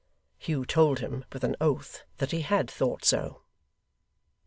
Hugh told him, with an oath, that he had thought so.